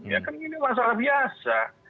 ya kan ini masalah biasa